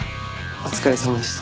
お疲れさまでした。